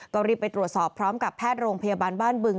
ก็รีบไปตรวจสอบพร้อมกับแพทย์โรงพยาบาลบ้านบึง